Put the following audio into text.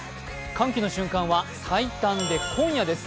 歓喜の瞬間は最短で今夜です。